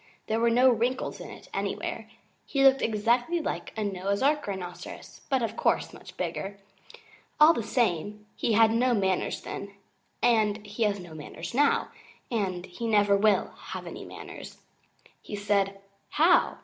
There were no wrinkles in it anywhere. He looked exactly like a Noah's Ark Rhinoceros, but of course much bigger. All the same, he had no manners then, and he has no manners now, and he never will have any manners. He said, 'How!